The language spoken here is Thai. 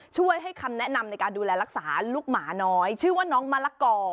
ช่วยให้คำแนะนำในการดูแลรักษาลูกหมาน้อยชื่อว่าน้องมะละกอ